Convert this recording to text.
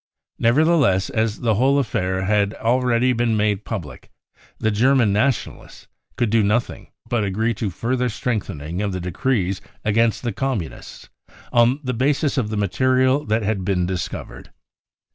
" Nevertheless, as the whole affair had already been made I THE REAL INCENDIARIES 85 public, the Gentian Nationalists could do nothing but,, agree to the further strengthening of the decrees against the Communists, on the basis of the material that had been discovered.